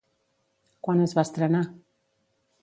Quan es va estrenar?